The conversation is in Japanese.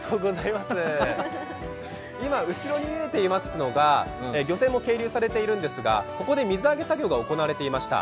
今、後ろに見えていますのが漁船が係留されているんですがここで水揚げ作業が行われていました。